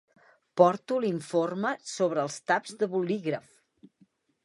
Porto l'informe sobre els taps de bolígraf.